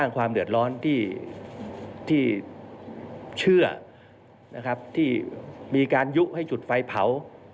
เกิดร้อนที่เชื่อที่มีการยุ่งให้จุดไฟเผา